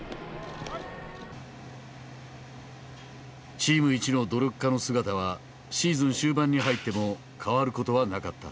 チーム一の努力家の姿はシーズン終盤に入っても変わることはなかった。